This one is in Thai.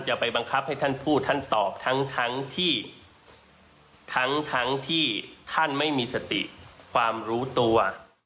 จะไปบังคับให้ท่านพูดท่านตอบทั้งที่ทั้งที่ท่านไม่มีสติความรู้ตัว